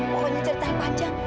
pokoknya ceritain panjang